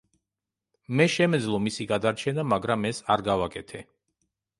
მე შემეძლო მისი გადარჩენა, მაგრამ ეს არ გავაკეთე.